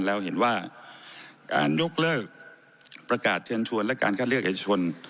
แล้วเห็นว่าการยกเลิกประกาศเชิญชวนและการคัดเลือกเอกชน